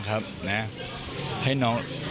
ให้น้อง